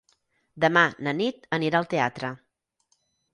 Demà na Nit anirà al teatre.